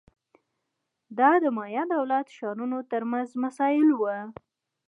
دا د مایا دولت ښارونو ترمنځ مسایل وو